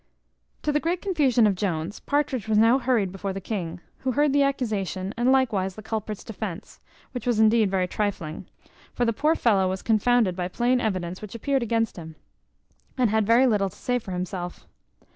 To the great confusion of Jones, Partridge was now hurried before the king; who heard the accusation, and likewise the culprit's defence, which was indeed very trifling; for the poor fellow was confounded by the plain evidence which appeared against him, and had very little to say for himself.